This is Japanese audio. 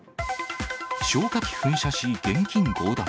消火器噴射し、現金強奪。